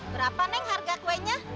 berapa neng harga kuenya